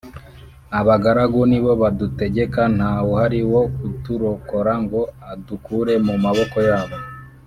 Abagaragu ni bo badutegeka, Nta wuhari wo kuturokora, Ngo adukure mu maboko yabo.